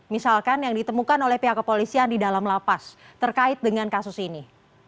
misalkan yang ditemukan oleh pihak kepolisian di dalam lapas terkait dengan kasus ini